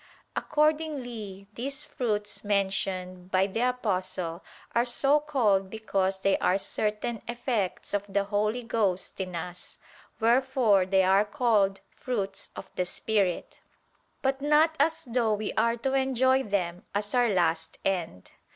Accordingly these fruits mentioned by the Apostle are so called because they are certain effects of the Holy Ghost in us, wherefore they are called "fruits of the spirit": but not as though we are to enjoy them as our last end.